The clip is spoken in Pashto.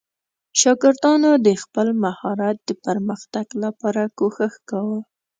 شاګردانو د خپل مهارت د پرمختګ لپاره کوښښ کاوه.